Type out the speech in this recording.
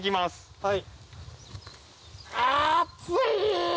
はい。